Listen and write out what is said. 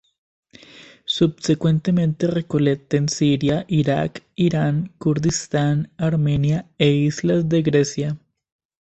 Subsecuentemente recolecta en Siria, Irak, Irán, Kurdistán, Armenia e islas de Grecia.